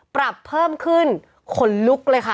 ปรับเพิ่มขึ้นขนลุกเลยค่ะ